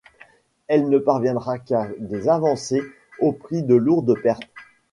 Elle ne parviendra qu'à des avancées, au prix de lourdes pertes.